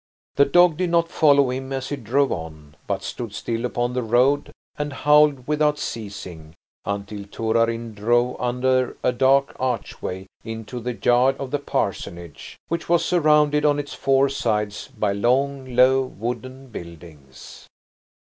The dog did not follow him as he drove on, but stood still upon the road and howled without ceasing until Torarin drove under a dark archway into the yard of the parsonage, which was surrounded on its four sides by long, low wooden buildings.